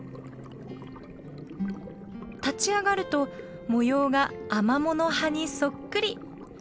立ち上がると模様がアマモの葉にそっくり。